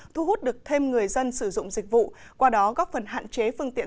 thu hút được thêm người dân sử dụng dịch vụ qua đó góp phần hạn chế phương tiện